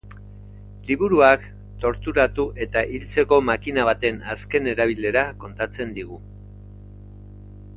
Liburuak torturatu eta hiltzeko makina baten azken erabilera kontatzen digu.